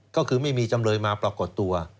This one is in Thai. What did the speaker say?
ก็คือไม่มีจำเลยมาปรากฏตัว